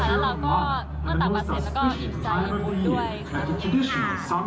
แล้วเราก็เมื่อต่ำมาเสร็จแล้วก็อินใจด้วยครับทุกคนค่ะ